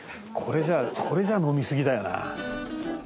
これじゃ飲みすぎだよな。